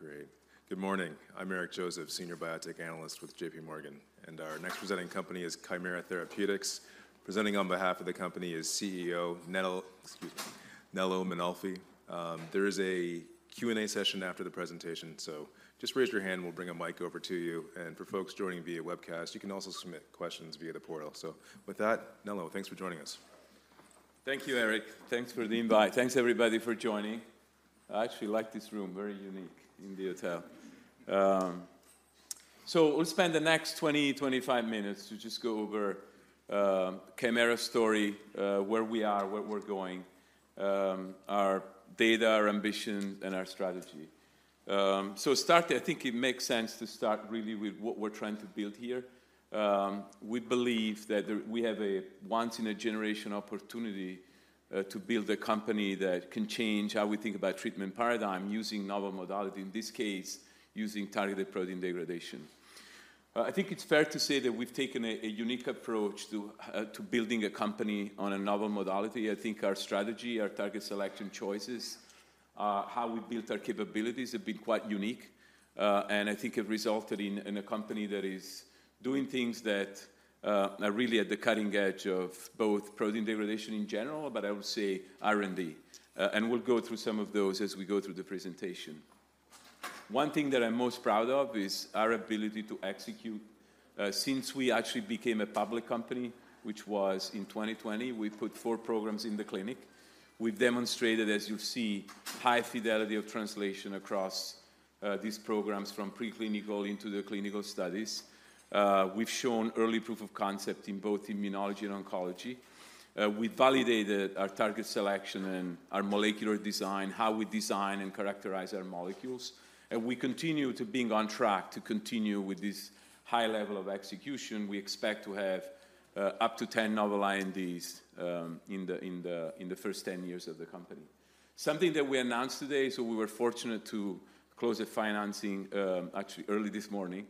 All right, great. Good morning. I'm Eric Joseph, Senior Biotech Analyst with J.P. Morgan, and our next presenting company is Kymera Therapeutics. Presenting on behalf of the company is CEO Nello, excuse me, Nello Mainolfi. There is a Q&A session after the presentation, so just raise your hand, we'll bring a mic over to you. And for folks joining via webcast, you can also submit questions via the portal. So with that, Nello, thanks for joining us. Thank you, Eric. Thanks for the invite. Thanks, everybody, for joining. I actually like this room, very unique in the hotel. So we'll spend the next 20-25 minutes to just go over Kymera story, where we are, where we're going, our data, our ambition, and our strategy. So start, I think it makes sense to start really with what we're trying to build here. We believe that we have a once in a generation opportunity to build a company that can change how we think about treatment paradigm using novel modality, in this case, using targeted protein degradation. I think it's fair to say that we've taken a unique approach to building a company on a novel modality. I think our strategy, our target selection choices, how we built our capabilities have been quite unique, and I think have resulted in, in a company that is doing things that, are really at the cutting edge of both protein degradation in general, but I would say R&D. And we'll go through some of those as we go through the presentation. One thing that I'm most proud of is our ability to execute. Since we actually became a public company, which was in 2020, we put four programs in the clinic. We've demonstrated, as you see, high fidelity of translation across, these programs from preclinical into the clinical studies. We've shown early proof of concept in both immunology and oncology. We validated our target selection and our molecular design, how we design and characterize our molecules, and we continue to being on track to continue with this high level of execution. We expect to have up to 10 novel INDs in the first 10 years of the company. Something that we announced today, so we were fortunate to close a financing, actually early this morning,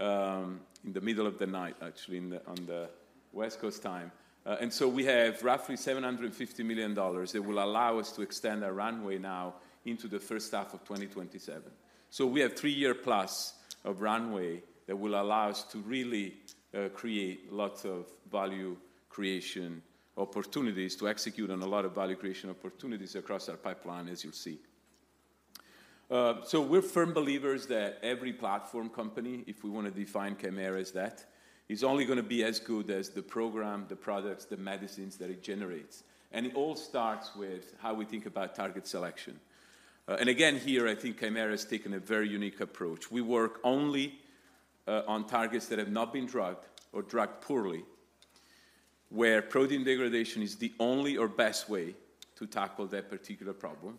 in the middle of the night, actually, on the West Coast time. And so we have roughly $750 million that will allow us to extend our runway now into the first half of 2027. So we have 3-year plus of runway that will allow us to really, create lots of value creation opportunities, to execute on a lot of value creation opportunities across our pipeline, as you'll see. So we're firm believers that every platform company, if we want to define Kymera as that, is only going to be as good as the program, the products, the medicines that it generates, and it all starts with how we think about target selection. And again, here, I think Kymera has taken a very unique approach. We work only on targets that have not been drugged or drugged poorly, where protein degradation is the only or best way to tackle that particular problem,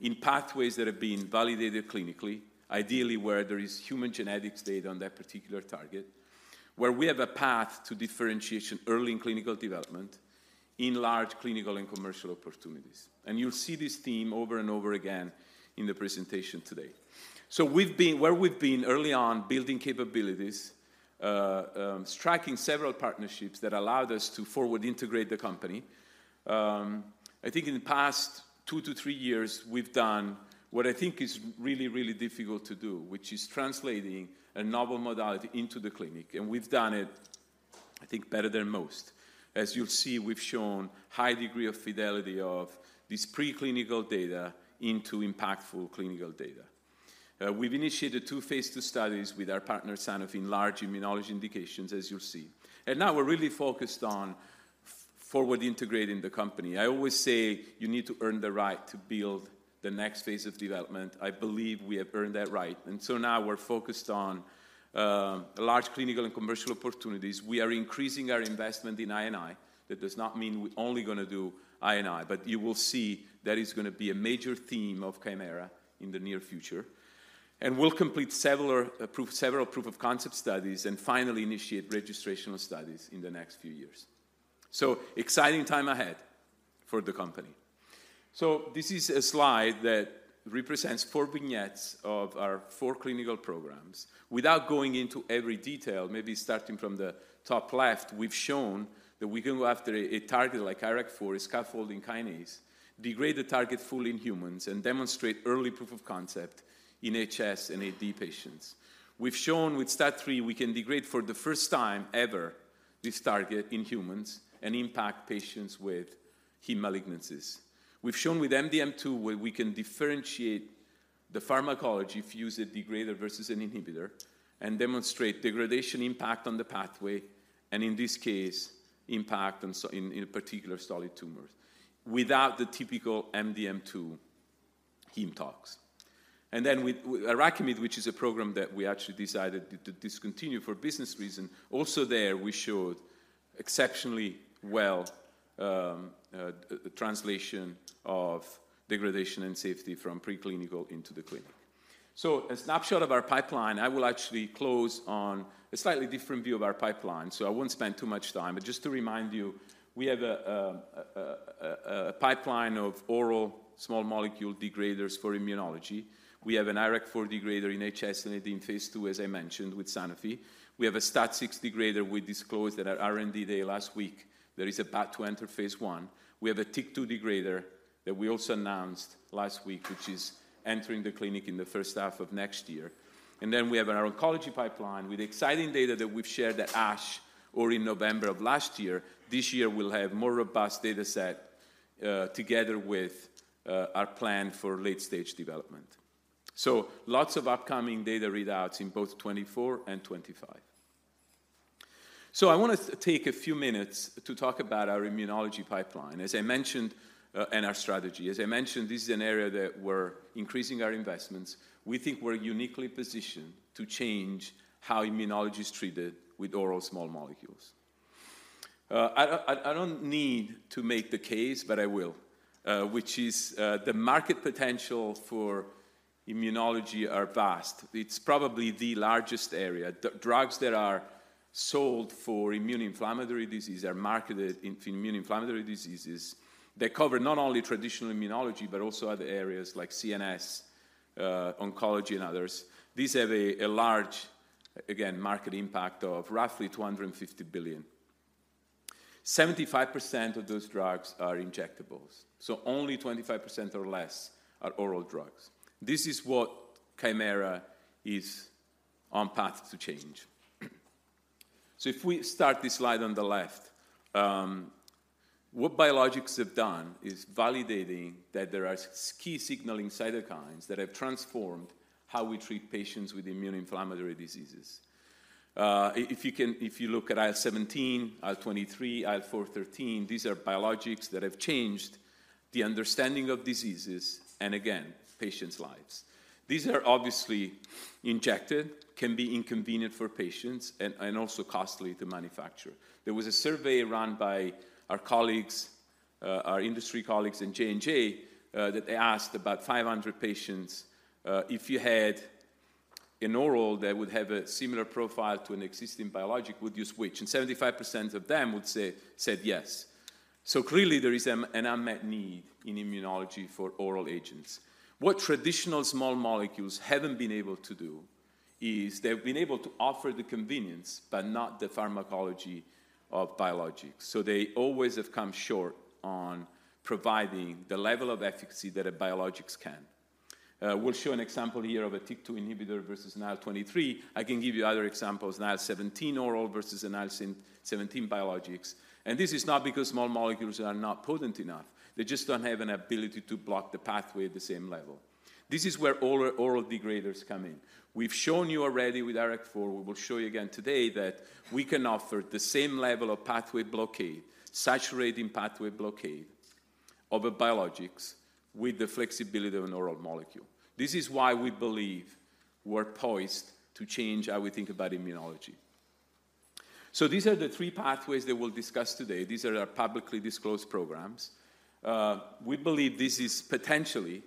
in pathways that have been validated clinically, ideally, where there is human genetics data on that particular target, where we have a path to differentiation early in clinical development, in large clinical and commercial opportunities, and you'll see this theme over and over again in the presentation today. So we've been where we've been early on, building capabilities, striking several partnerships that allowed us to forward integrate the company. I think in the past 2-3 years, we've done what I think is really, really difficult to do, which is translating a novel modality into the clinic, and we've done it, I think, better than most. As you'll see, we've shown high degree of fidelity of this preclinical data into impactful clinical data. We've initiated two phase II studies with our partner, Sanofi, in large immunology indications, as you'll see. And now we're really focused on forward integrating the company. I always say you need to earn the right to build the next phase of development. I believe we have earned that right, and so now we're focused on large clinical and commercial opportunities. We are increasing our investment in I&I. That does not mean we're only going to do I&I, but you will see that is going to be a major theme of Kymera in the near future. And we'll complete several proof-of-concept studies and finally initiate registrational studies in the next few years. So exciting time ahead for the company. So this is a slide that represents four vignettes of our four clinical programs. Without going into every detail, maybe starting from the top left, we've shown that we can go after a target like IRAK4, a scaffolding kinase, degrade the target fully in humans, and demonstrate early proof of concept in HS and AD patients. We've shown with STAT3, we can degrade for the first time ever this target in humans and impact patients with hematologic malignancies. We've shown with MDM2, where we can differentiate the pharmacology if you use a degrader versus an inhibitor, and demonstrate degradation impact on the pathway, and in this case, impact on, in particular, solid tumors without the typical MDM2 hematox. And then with IRAKIMiD, which is a program that we actually decided to discontinue for business reason, also there, we showed exceptionally well the translation of degradation and safety from preclinical into the clinic. So a snapshot of our pipeline, I will actually close on a slightly different view of our pipeline, so I won't spend too much time. But just to remind you, we have a pipeline of oral small molecule degraders for immunology. We have an IRAK4 degrader in HS and AD in phase 2, as I mentioned, with Sanofi. We have a STAT6 degrader we disclosed at our R&D day last week that is about to enter phase 1. We have a TYK2 degrader that we also announced last week, which is entering the clinic in the first half of next year. Then we have our oncology pipeline with exciting data that we've shared at ASH or in November of last year. This year, we'll have more robust data set, together with, our plan for late-stage development. So lots of upcoming data readouts in both 2024 and 2025. So I want to take a few minutes to talk about our immunology pipeline. As I mentioned, and our strategy, as I mentioned, this is an area that we're increasing our investments. We think we're uniquely positioned to change how immunology is treated with oral small molecules. I don't need to make the case, but I will, which is, the market potential for immunology are vast. It's probably the largest area. Drugs that are sold for immune inflammatory disease are marketed in immune inflammatory diseases. They cover not only traditional immunology, but also other areas like CNS, oncology, and others. These have a large, again, market impact of roughly $250 billion. 75% of those drugs are injectables, so only 25% or less are oral drugs. This is what Kymera is on path to change. So if we start this slide on the left, what biologics have done is validating that there are key signaling cytokines that have transformed how we treat patients with immune inflammatory diseases. If you look at IL-17, IL-23, IL-4/IL-13, these are biologics that have changed the understanding of diseases and again, patients' lives. These are obviously injected, can be inconvenient for patients and also costly to manufacture. There was a survey run by our colleagues, our industry colleagues in J&J, that they asked about 500 patients, "If you had an oral that would have a similar profile to an existing biologic, would you switch?" And 75% of them would say- said yes. So clearly, there is an unmet need in immunology for oral agents. What traditional small molecules haven't been able to do is they've been able to offer the convenience, but not the pharmacology of biologics. So they always have come short on providing the level of efficacy that a biologics can. We'll show an example here of a TYK2 inhibitor versus an IL-23. I can give you other examples, an IL-17 oral versus an IL-17 biologics, and this is not because small molecules are not potent enough. They just don't have an ability to block the pathway at the same level. This is where oral, oral degraders come in. We've shown you already with IRAK4, we will show you again today that we can offer the same level of pathway blockade, saturating pathway blockade of a biologics with the flexibility of an oral molecule. This is why we believe we're poised to change how we think about immunology. So these are the three pathways that we'll discuss today. These are our publicly disclosed programs. We believe this is potentially,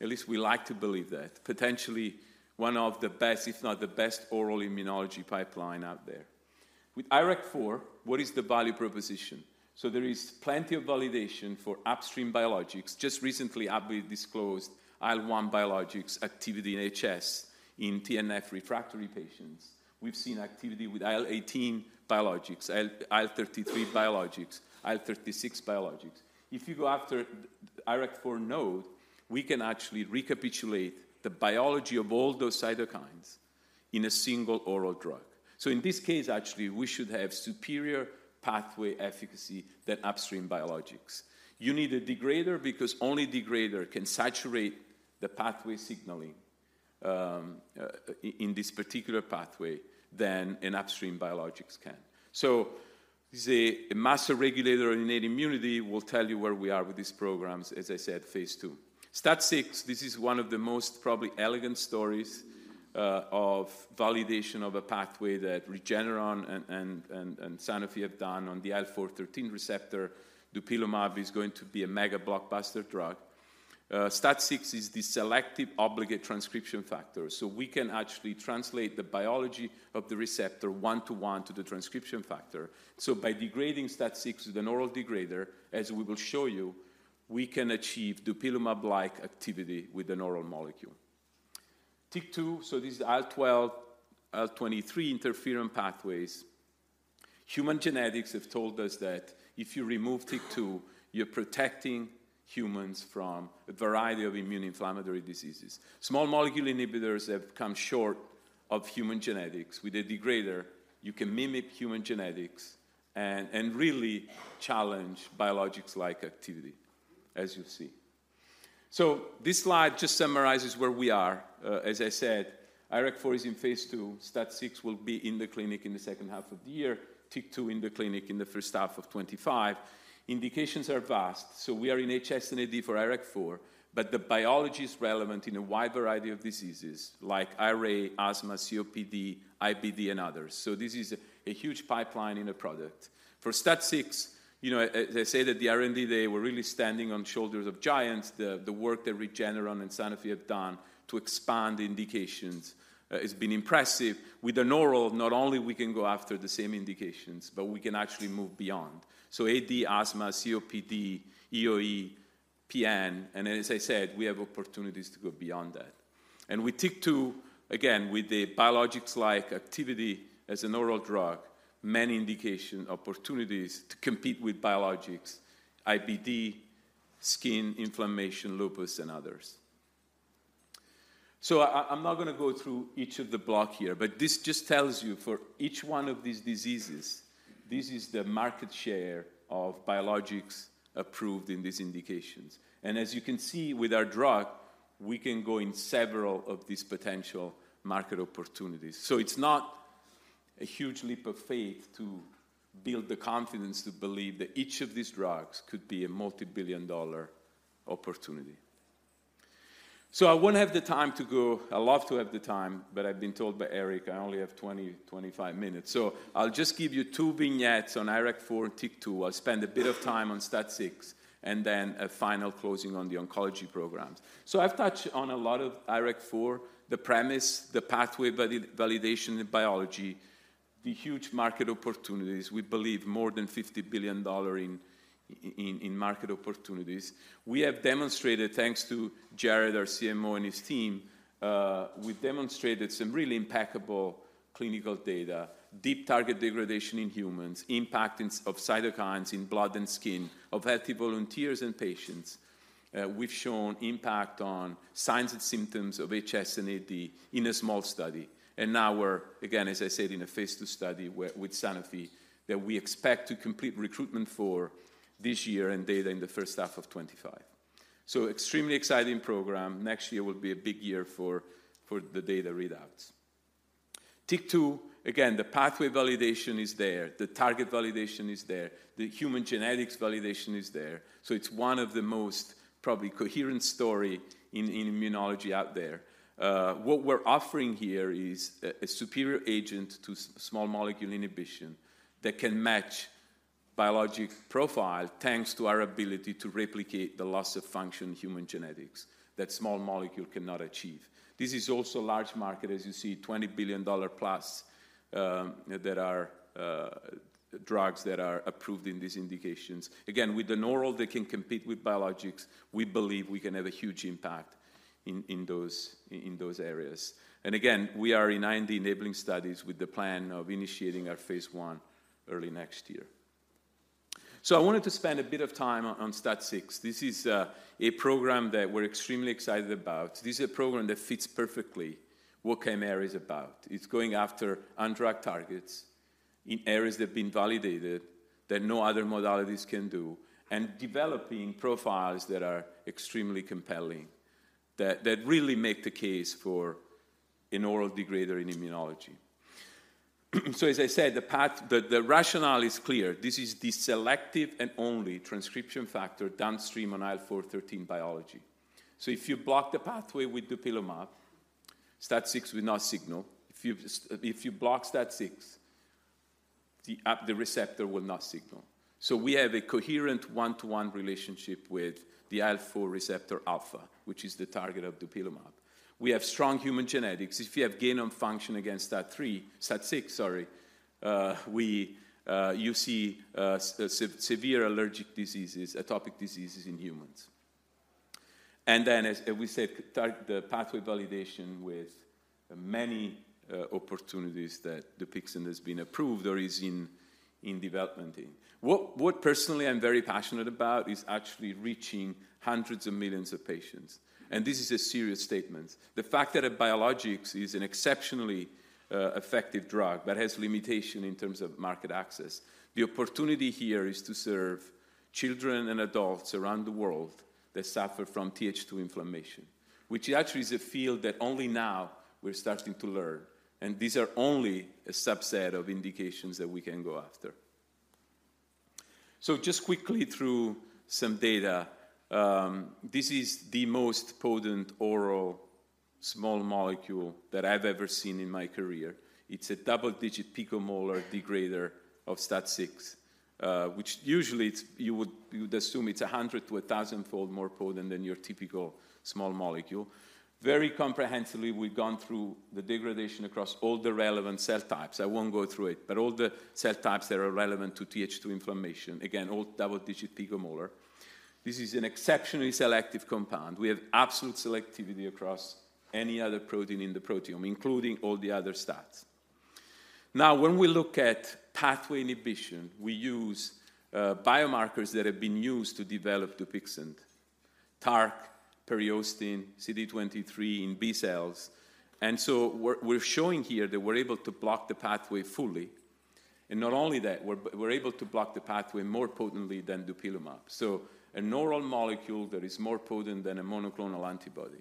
at least we like to believe that, potentially one of the best, if not the best, oral immunology pipeline out there. With IRAK4, what is the value proposition? So there is plenty of validation for upstream biologics. Just recently, AbbVie disclosed IL-1 biologics activity in HS in TNF refractory patients. We've seen activity with IL-18 biologics, IL-33 biologics, IL-36 biologics. If you go after IRAK4 node, we can actually recapitulate the biology of all those cytokines in a single oral drug. So in this case, actually, we should have superior pathway efficacy than upstream biologics. You need a degrader because only degrader can saturate the pathway signaling in this particular pathway than an upstream biologics can. So this is a master regulator of innate immunity. We'll tell you where we are with these programs, as I said, phase 2. STAT6, this is one of the most probably elegant stories of validation of a pathway that Regeneron and Sanofi have done on the IL-4/13 receptor. Dupilumab is going to be a mega blockbuster drug. STAT6 is the selective obligate transcription factor, so we can actually translate the biology of the receptor one to one to the transcription factor. So by degrading STAT6 with an oral degrader, as we will show you, we can achieve dupilumab-like activity with an oral molecule. TYK2, so this is IL-12, IL-23 interferon pathways. Human genetics have told us that if you remove TYK2, you're protecting humans from a variety of immune inflammatory diseases. Small molecule inhibitors have come short of human genetics. With a degrader, you can mimic human genetics and really challenge biologics-like activity, as you'll see. So this slide just summarizes where we are. As I said, IRAK4 is in phase 2. STAT6 will be in the clinic in the second half of the year, TYK2 in the clinic in the first half of 2025. Indications are vast, so we are in HS and AD for IRAK4, but the biology is relevant in a wide variety of diseases like RA, asthma, COPD, IBD, and others. So this is a huge pipeline in a product. For STAT6, you know, as I say, that the R&D, they were really standing on shoulders of giants, the work that Regeneron and Sanofi have done to expand the indications has been impressive. With an oral, not only we can go after the same indications, but we can actually move beyond. So AD, asthma, COPD, EOE, PN, and as I said, we have opportunities to go beyond that. And with TYK2, again, with the biologics-like activity as an oral drug, many indication opportunities to compete with biologics, IBD, skin inflammation, lupus, and others. So I, I'm not gonna go through each of the block here, but this just tells you for each one of these diseases, this is the market share of biologics approved in these indications. And as you can see with our drug, we can go in several of these potential market opportunities. So it's not a huge leap of faith to build the confidence to believe that each of these drugs could be a multibillion-dollar opportunity. So I won't have the time to go. I'd love to have the time, but I've been told by Eric I only have 20-25 minutes, so I'll just give you two vignettes on IRAK4 and TYK2. I'll spend a bit of time on STAT6, and then a final closing on the oncology programs. So I've touched on a lot of IRAK4, the premise, the pathway validation in biology, the huge market opportunities, we believe more than $50 billion in market opportunities. We have demonstrated, thanks to Jared, our CMO, and his team, we've demonstrated some really impeccable clinical data, deep target degradation in humans, impact of cytokines in blood and skin of healthy volunteers and patients. We've shown impact on signs and symptoms of HS and AD in a small study, and now we're, again, as I said, in a phase II study with Sanofi, that we expect to complete recruitment for this year and data in the first half of 2025. So extremely exciting program. Next year will be a big year for the data readouts. TYK2, again, the pathway validation is there, the target validation is there, the human genetics validation is there, so it's one of the most probably coherent story in immunology out there. What we're offering here is a superior agent to small molecule inhibition that can match biologic profile, thanks to our ability to replicate the loss of function human genetics that small molecule cannot achieve. This is also a large market, as you see, $20 billion plus that are drugs that are approved in these indications. Again, with an oral that can compete with biologics, we believe we can have a huge impact in those areas. And again, we are in IND-enabling studies with the plan of initiating our phase I early next year. So I wanted to spend a bit of time on STAT6. This is a program that we're extremely excited about. This is a program that fits perfectly what Kymera is about. It's going after undruggable targets in areas that have been validated, that no other modalities can do, and developing profiles that are extremely compelling, that really make the case for an oral degrader in immunology. So, as I said, the path... The rationale is clear. This is the selective and only transcription factor downstream on IL-4/IL-13 biology. So if you block the pathway with dupilumab, STAT6 will not signal. If you block STAT6, the receptor will not signal. So we have a coherent one-to-one relationship with the IL-4 receptor alpha, which is the target of dupilumab. We have strong human genetics. If you have gain-of-function against STAT3, STAT6, sorry, we see severe allergic diseases, atopic diseases in humans. And then, as we said, the pathway validation with many opportunities that Dupixent has been approved or is in development in. What personally I'm very passionate about is actually reaching hundreds of millions of patients, and this is a serious statement. The fact that a biologics is an exceptionally effective drug, but has limitation in terms of market access, the opportunity here is to serve children and adults around the world that suffer from TH2 inflammation, which actually is a field that only now we're starting to learn, and these are only a subset of indications that we can go after. So just quickly through some data, this is the most potent oral small molecule that I've ever seen in my career. It's a double-digit picomolar degrader of STAT6, which usually it's you would, you'd assume it's 100-1,000-fold more potent than your typical small molecule. Very comprehensively, we've gone through the degradation across all the relevant cell types. I won't go through it, but all the cell types that are relevant to TH2 inflammation, again, all double-digit picomolar. This is an exceptionally selective compound. We have absolute selectivity across any other protein in the proteome, including all the other STATs. Now, when we look at pathway inhibition, we use biomarkers that have been used to develop Dupixent, TARC, periostin, CD23 in B cells, and so we're showing here that we're able to block the pathway fully. Not only that, we're able to block the pathway more potently than dupilumab. An oral molecule that is more potent than a monoclonal antibody.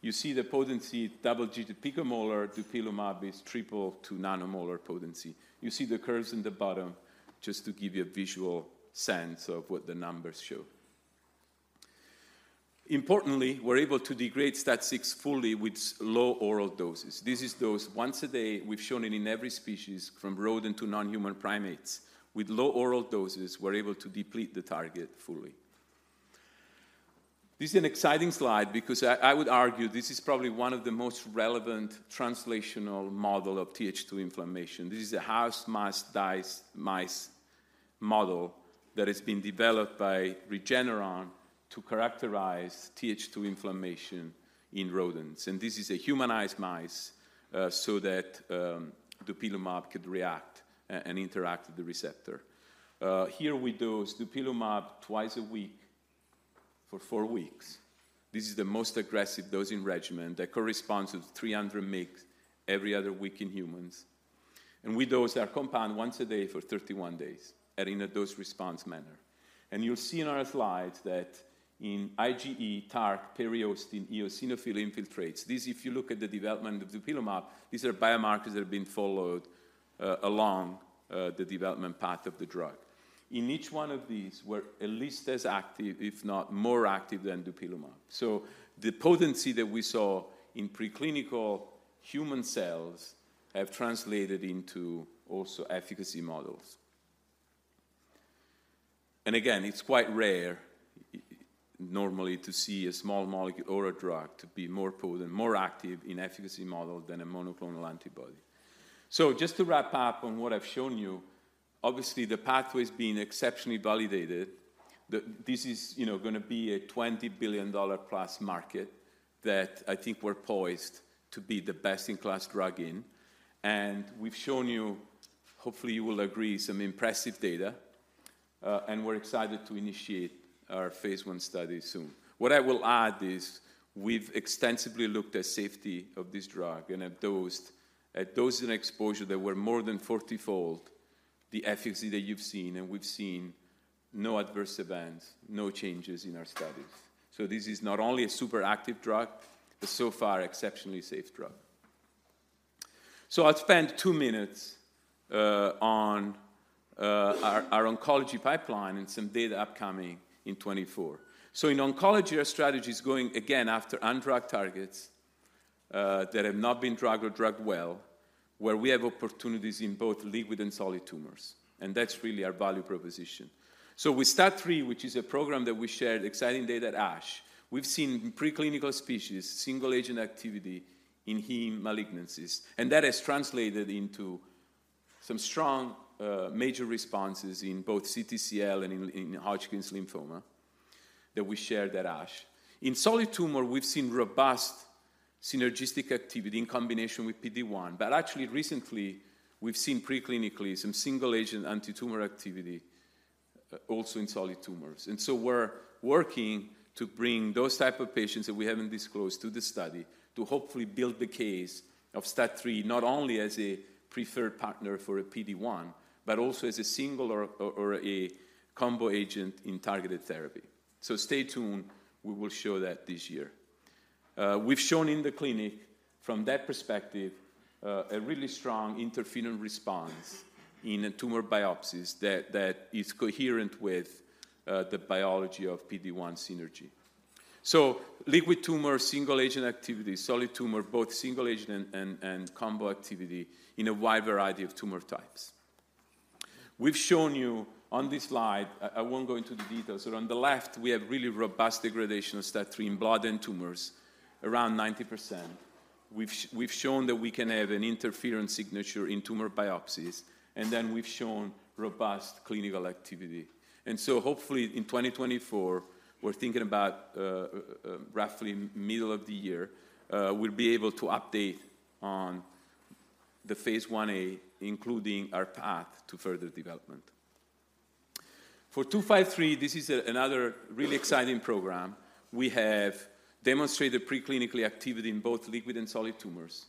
You see the potency, two-digit picomolar, dupilumab is three-digit to nanomolar potency. You see the curves in the bottom just to give you a visual sense of what the numbers show. Importantly, we're able to degrade STAT6 fully with low oral doses. This is dosed once a day. We've shown it in every species, from rodent to non-human primates. With low oral doses, we're able to deplete the target fully. This is an exciting slide because I would argue this is probably one of the most relevant translational model of TH2 inflammation. This is a house dust mite mice model that has been developed by Regeneron to characterize TH2 inflammation in rodents, and this is a humanized mice, so that dupilumab could react and interact with the receptor. Here we dose dupilumab twice a week for four weeks. This is the most aggressive dosing regimen that corresponds with 300 mg every other week in humans, and we dose our compound once a day for 31 days and in a dose-response manner. And you'll see in our slides that in IgE, TARC, periostin, eosinophil infiltrates, these, if you look at the development of dupilumab, these are biomarkers that have been followed along the development path of the drug. In each one of these, we're at least as active, if not more active, than dupilumab. So the potency that we saw in preclinical human cells have translated into also efficacy models. And again, it's quite rare normally to see a small molecule or a drug to be more potent, more active in efficacy model than a monoclonal antibody. So just to wrap up on what I've shown you, obviously, the pathway's been exceptionally validated. This is, you know, gonna be a $20 billion plus market that I think we're poised to be the best-in-class drug in. And we've shown you, hopefully you will agree, some impressive data, and we're excited to initiate our phase I study soon. What I will add is we've extensively looked at safety of this drug and at doses, at dose and exposure that were more than 40-fold the efficacy that you've seen, and we've seen no adverse events, no changes in our studies. So this is not only a super active drug, but so far exceptionally safe drug. So I'll spend two minutes on our oncology pipeline and some data upcoming in 2024. So in oncology, our strategy is going again after undrugged targets that have not been drugged or drugged well, where we have opportunities in both liquid and solid tumors, and that's really our value proposition. So with STAT3, which is a program that we shared exciting data at ASH, we've seen in preclinical species, single-agent activity in hematologic malignancies, and that has translated into some strong major responses in both CTCL and in Hodgkin's lymphoma that we shared at ASH. In solid tumor, we've seen robust synergistic activity in combination with PD-1, but actually recently, we've seen preclinically some single-agent antitumor activity also in solid tumors. So we're working to bring those type of patients that we haven't disclosed to the study to hopefully build the case of STAT3, not only as a preferred partner for a PD-1, but also as a single or a combo agent in targeted therapy. So stay tuned. We will show that this year. We've shown in the clinic, from that perspective, a really strong interferon response in tumor biopsies that is coherent with the biology of PD-1 synergy. So liquid tumor, single-agent activity, solid tumor, both single-agent and combo activity in a wide variety of tumor types. We've shown you on this slide - I won't go into the details, but on the left, we have really robust degradation of STAT3 in blood and tumors, around 90%. We've shown that we can have an interference signature in tumor biopsies, and then we've shown robust clinical activity. So hopefully in 2024, we're thinking about roughly middle of the year, we'll be able to update on the phase Ia, including our path to further development. For 253, this is another really exciting program. We have demonstrated preclinical activity in both liquid and solid tumors.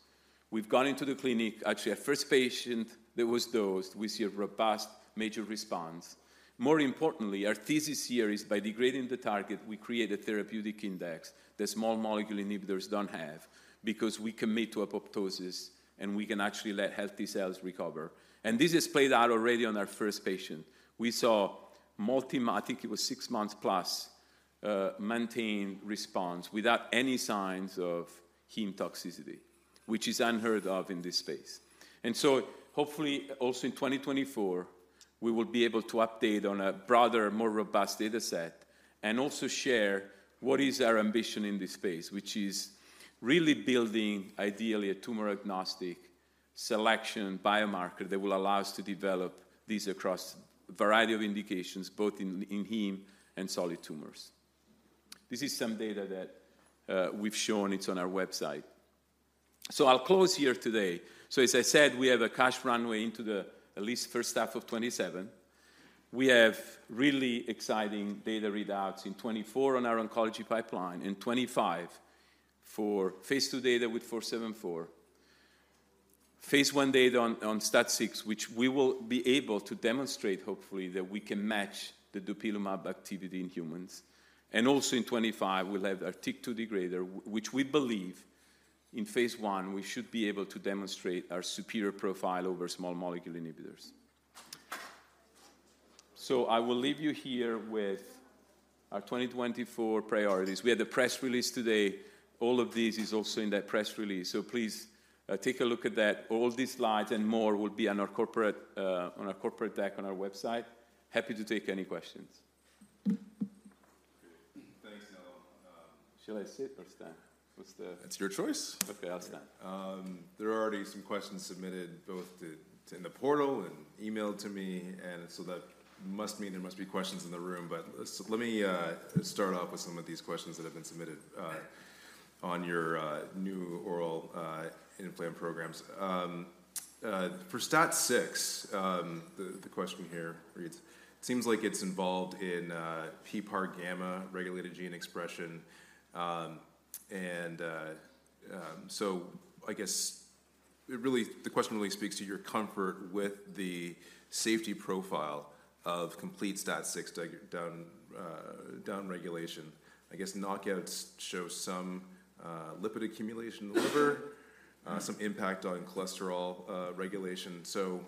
We've gone into the clinic. Actually, our first patient that was dosed, we see a robust major response. More importantly, our thesis here is by degrading the target, we create a therapeutic index that small molecule inhibitors don't have because we commit to apoptosis, and we can actually let healthy cells recover. And this is played out already on our first patient. We saw – I think it was 6+ months – maintained response without any signs of heme toxicity, which is unheard of in this space. And so hopefully, also in 2024, we will be able to update on a broader, more robust data set and also share what is our ambition in this space, which is really building ideally a tumor-agnostic selection biomarker that will allow us to develop these across a variety of indications, both in, in heme and solid tumors. This is some data that we've shown. It's on our website. So I'll close here today. So as I said, we have a cash runway into the at least first half of 2027. We have really exciting data readouts in 2024 on our oncology pipeline, in 2025 for phase II data with 474, phase I data on STAT6, which we will be able to demonstrate, hopefully, that we can match the dupilumab activity in humans. And also in 2025, we'll have our TYK2 degrader, which we believe in phase I, we should be able to demonstrate our superior profile over small molecule inhibitors. So I will leave you here with our 2024 priorities. We had a press release today. All of these is also in that press release, so please, take a look at that. All these slides and more will be on our corporate deck on our website. Happy to take any questions. Great. Thanks, Nello. Should I sit or stand? What's the- It's your choice. Okay, I'll stand. There are already some questions submitted both in the portal and emailed to me, and so that must mean there must be questions in the room. But let me start off with some of these questions that have been submitted on your new oral inflam programs. For STAT6, the question here reads: "Seems like it's involved in PPAR gamma-regulated gene expression", and so I guess it really, the question really speaks to your comfort with the safety profile of complete STAT6 downregulation. I guess knockouts show some lipid accumulation in the liver, some impact on cholesterol regulation. So,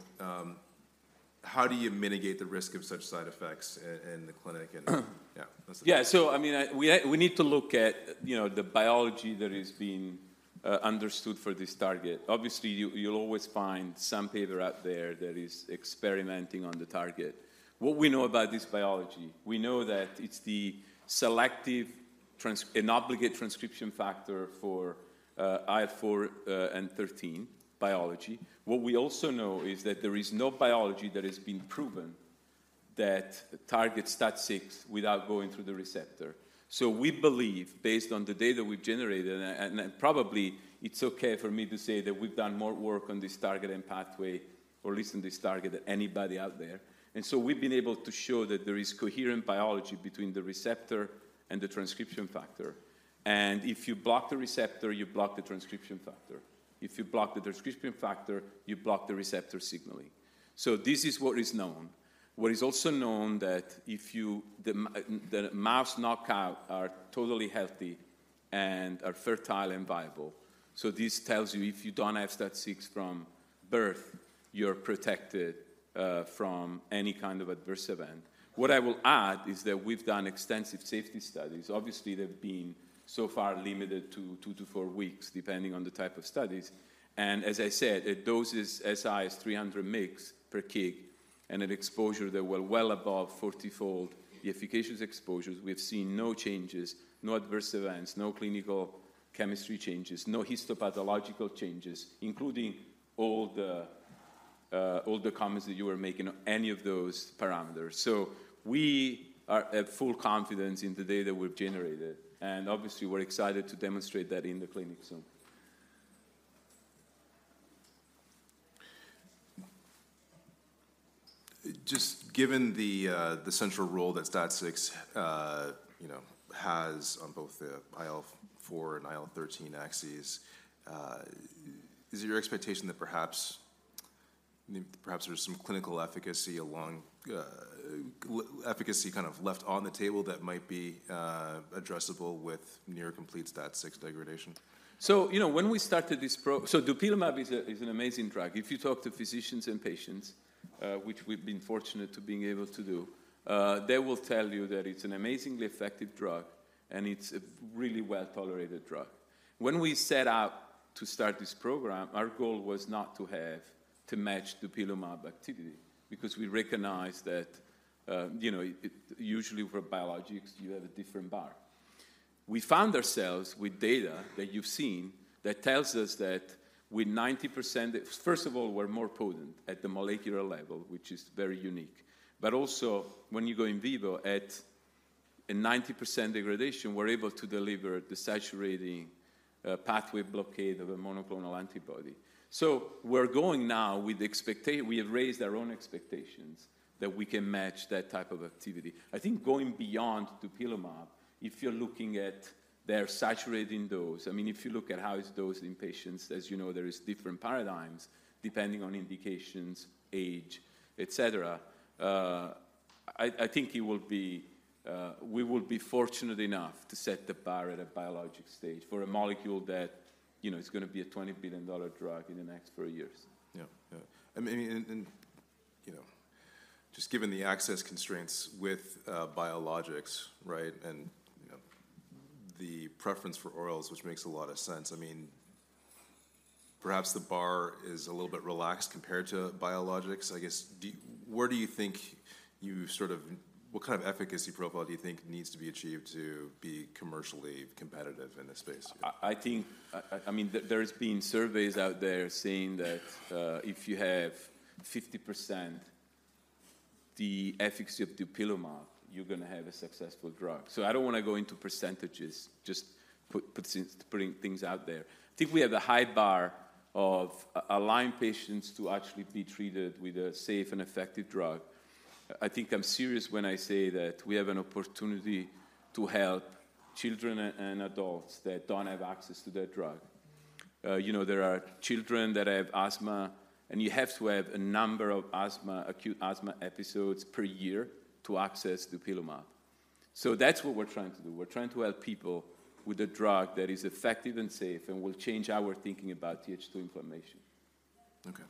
how do you mitigate the risk of such side effects in the clinic, and yeah, that's it. Yeah. So, I mean, we need to look at, you know, the biology that is being understood for this target. Obviously, you, you'll always find some paper out there that is experimenting on the target. What we know about this biology? We know that it's the selective transcription factor for IL-4 and 13 biology. What we also know is that there is no biology that has been proven that targets STAT6 without going through the receptor. So we believe, based on the data we've generated, and probably it's okay for me to say that we've done more work on this target and pathway, or at least on this target, than anybody out there. And so we've been able to show that there is coherent biology between the receptor and the transcription factor, and if you block the receptor, you block the transcription factor. If you block the transcription factor, you block the receptor signaling. So this is what is known. What is also known that the mouse knockout are totally healthy and are fertile and viable. So this tells you if you don't have STAT6 from birth, you're protected from any kind of adverse event. What I will add is that we've done extensive safety studies. Obviously, they've been so far limited to 2-4 weeks, depending on the type of studies. As I said, at doses of 300 mg per kg and at exposures that were well above 40-fold the efficacious exposures, we've seen no changes, no adverse events, no clinical chemistry changes, no histopathological changes, including all the, all the comments that you were making on any of those parameters. So we are at full confidence in the data we've generated, and obviously, we're excited to demonstrate that in the clinic soon. Just given the central role that STAT6, you know, has on both the IL-4 and IL-13 axes, is it your expectation that perhaps, perhaps there's some clinical efficacy along efficacy kind of left on the table that might be addressable with near complete STAT6 degradation? So, you know, when we started this program. Dupilumab is an amazing drug. If you talk to physicians and patients, which we've been fortunate to being able to do, they will tell you that it's an amazingly effective drug, and it's a really well-tolerated drug. When we set out to start this program, our goal was not to have to match dupilumab activity because we recognized that, you know, usually for biologics, you have a different bar. We found ourselves with data that you've seen that tells us that with 90%... First of all, we're more potent at the molecular level, which is very unique. But also, when you go in vivo at a 90% degradation, we're able to deliver the saturating pathway blockade of a monoclonal antibody. So we're going now with we have raised our own expectations that we can match that type of activity. I think going beyond dupilumab, if you're looking at their saturating dose, I mean, if you look at how it's dosed in patients, as you know, there is different paradigms, depending on indications, age, et cetera. I think it will be we will be fortunate enough to set the bar at a biologic stage for a molecule that, you know, is gonna be a $20 billion drug in the next four years. Yeah. Yeah, I mean, and, and, you know, just given the access constraints with biologics, right? And, you know, the preference for orals, which makes a lot of sense. I mean, perhaps the bar is a little bit relaxed compared to biologics. I guess, where do you think you sort of what kind of efficacy profile do you think needs to be achieved to be commercially competitive in this space? I think, I mean, there's been surveys out there saying that if you have 50% the efficacy of dupilumab, you're gonna have a successful drug. So I don't wanna go into percentages, just putting things out there. I think we have a high bar of allowing patients to actually be treated with a safe and effective drug. I think I'm serious when I say that we have an opportunity to help children and adults that don't have access to that drug. You know, there are children that have asthma, and you have to have a number of asthma, acute asthma episodes per year to access dupilumab. So that's what we're trying to do. We're trying to help people with a drug that is effective and safe, and will change our thinking about TH2 inflammation. Okay.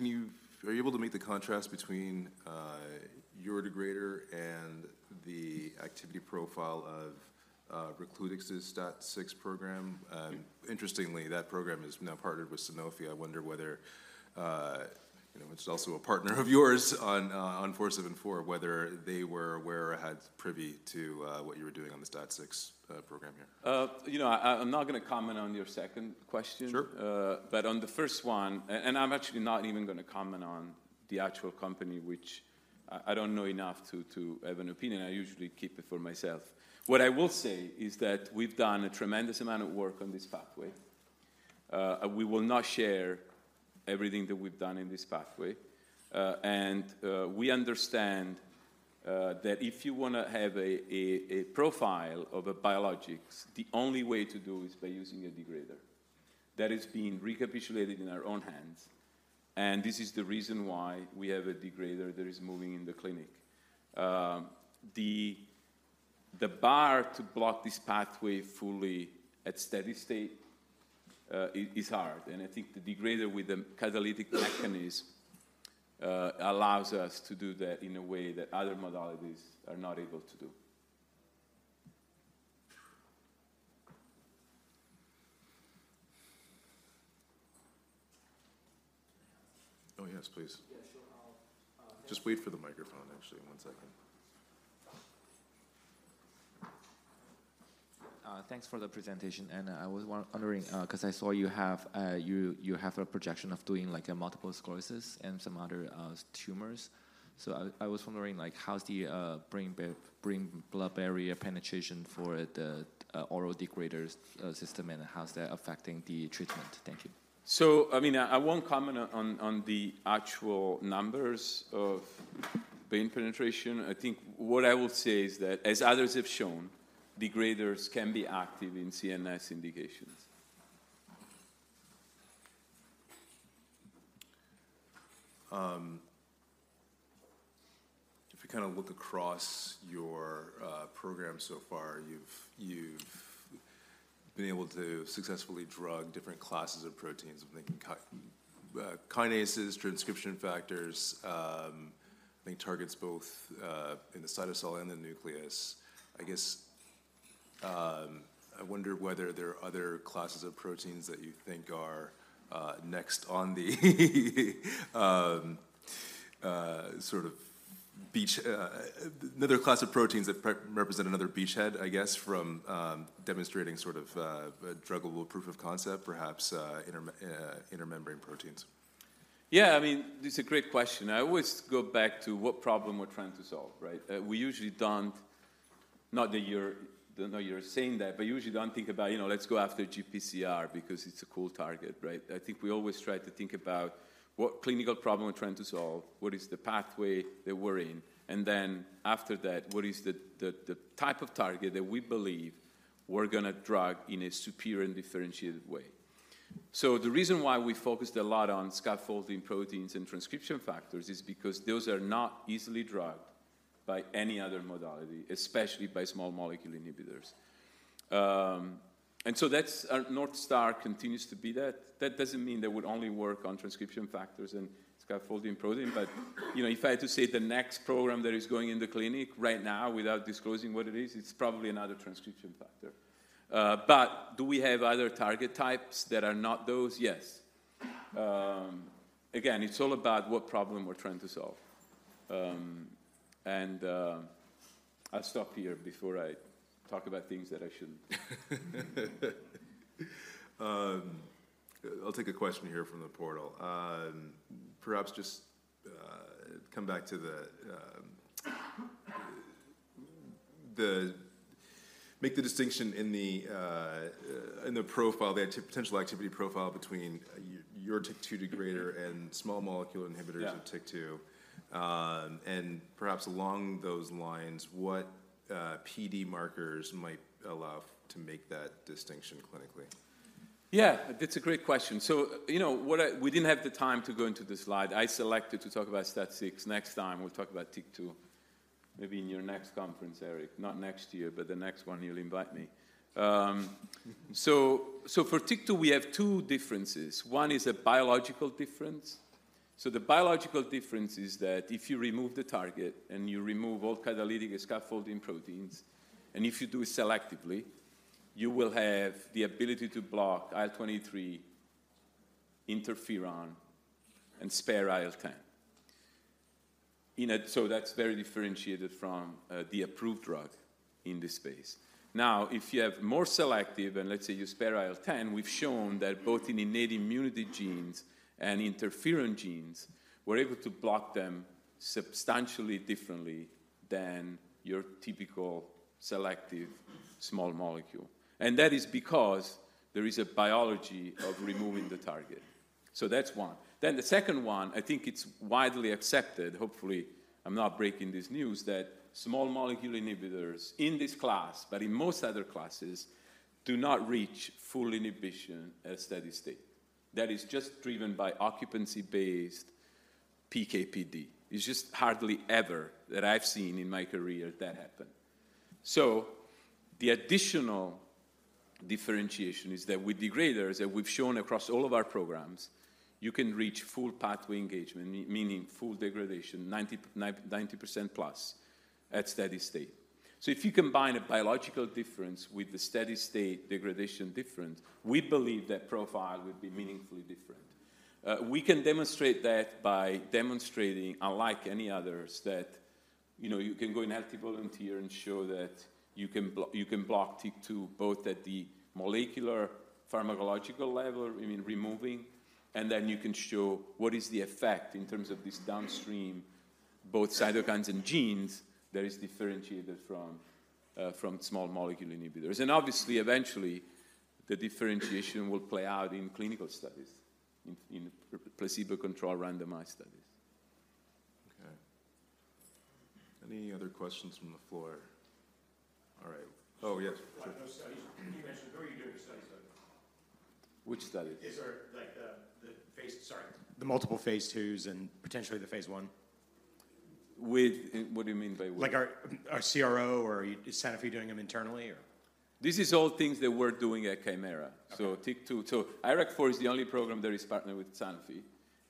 Are you able to make the contrast between your degrader and the activity profile of Replenix's STAT6 program? Interestingly, that program is now partnered with Sanofi. I wonder whether, you know, which is also a partner of yours on 474, whether they were aware or had privy to what you were doing on the STAT6 program here. You know, I'm not gonna comment on your second question. Sure. But on the first one, and I'm actually not even gonna comment on the actual company, which I don't know enough to have an opinion. I usually keep it for myself. What I will say is that we've done a tremendous amount of work on this pathway. We will not share everything that we've done in this pathway. We understand that if you wanna have a profile of a biologics, the only way to do is by using a degrader. That is being recapitulated in our own hands, and this is the reason why we have a degrader that is moving in the clinic. The bar to block this pathway fully at steady state is hard, and I think the degrader with the catalytic mechanism allows us to do that in a way that other modalities are not able to do. Oh, yes, please. Yeah, sure. I'll, Just wait for the microphone, actually, one second. Thanks for the presentation, and I was wondering, because I saw you have a projection of doing, like, multiple sclerosis and some other tumors. So I was wondering, like, how's the blood-brain barrier penetration for the oral degraders system, and how is that affecting the treatment? Thank you. So I mean, I won't comment on the actual numbers of brain penetration. I think what I will say is that, as others have shown, degraders can be active in CNS indications. If you kind of look across your program so far, you've been able to successfully drug different classes of proteins, I'm thinking kinases, transcription factors, I think targets both in the cytosol and the nucleus. I guess I wonder whether there are other classes of proteins that you think are next on the sort of beach, another class of proteins that represent another beachhead, I guess, from demonstrating sort of a druggable proof of concept, perhaps inner membrane proteins. Yeah, I mean, it's a great question. I always go back to what problem we're trying to solve, right? We usually don't, not that you're, not that you're saying that, but usually don't think about, you know, let's go after GPCR because it's a cool target, right? I think we always try to think about what clinical problem we're trying to solve, what is the pathway that we're in, and then after that, what is the type of target that we believe we're gonna drug in a superior and differentiated way. So the reason why we focused a lot on scaffolding proteins and transcription factors is because those are not easily drugged by any other modality, especially by small molecule inhibitors. And so that's our North Star continues to be that. That doesn't mean that we'll only work on transcription factors and scaffolding protein. But, you know, if I had to say the next program that is going in the clinic right now, without disclosing what it is, it's probably another transcription factor. But do we have other target types that are not those? Yes. Again, it's all about what problem we're trying to solve. And I'll stop here before I talk about things that I shouldn't. I'll take a question here from the portal. Perhaps just come back to make the distinction in the profile, the potential activity profile between your TYK2 degrader and small molecule inhibitors. Yeah. - of TYK2. And perhaps along those lines, what PD markers might allow to make that distinction clinically? Yeah, that's a great question. So, you know, we didn't have the time to go into the slide. I selected to talk about STAT6. Next time, we'll talk about TYK2. Maybe in your next conference, Eric, not next year, but the next one you'll invite me. So, so for TYK2, we have two differences. One is a biological difference. So the biological difference is that if you remove the target and you remove all catalytic scaffolding proteins, and if you do it selectively, you will have the ability to block IL-23 interferon and spare IL-10. So that's very differentiated from the approved drug in this space. Now, if you have more selective, and let's say you spare IL-10, we've shown that both in innate immunity genes and interferon genes, we're able to block them substantially differently than your typical selective small molecule. That is because there is a biology of removing the target. So that's one. Then the second one, I think it's widely accepted, hopefully, I'm not breaking this news, that small molecule inhibitors in this class, but in most other classes, do not reach full inhibition at steady state. That is just driven by occupancy-based PK/PD. It's just hardly ever that I've seen in my career that happen. So the additional differentiation is that with degraders, that we've shown across all of our programs, you can reach full pathway engagement, meaning full degradation, 99%+, at steady state. So if you combine a biological difference with the steady-state degradation difference, we believe that profile would be meaningfully different. We can demonstrate that by demonstrating, unlike any others, that, you know, you can go in a healthy volunteer and show that you can block TYK2, both at the molecular pharmacological level, I mean, removing, and then you can show what is the effect in terms of this downstream, both cytokines and genes, that is differentiated from from small molecule inhibitors. And obviously, eventually, the differentiation will play out in clinical studies, in placebo-controlled randomized studies. Okay. Any other questions from the floor? All right. Oh, yes. Those studies. You mentioned, who are you doing the studies with? Which study? Is there, like, the multiple phase II's and potentially the phase I? With, what do you mean by with? Like, are CRO or is Sanofi doing them internally, or? This is all things that we're doing at Kymera. Okay. So IRAK4 is the only program that is partnered with Sanofi.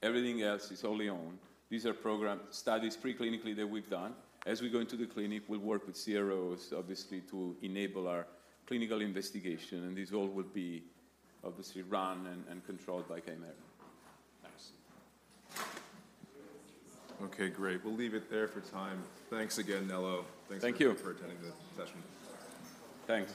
Everything else is wholly owned. These are program studies pre-clinically that we've done. As we go into the clinic, we'll work with CROs, obviously, to enable our clinical investigation, and these all will be obviously run and controlled by Kymera. Thanks. Okay, great. We'll leave it there for time. Thanks again, Nello. Thank you. Thanks for attending the session. Thanks.